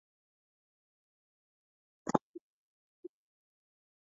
呼吸作用是一种酶促氧化反应。